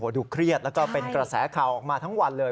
ดูเครียดแล้วก็เป็นกระแสข่าวออกมาทั้งวันเลย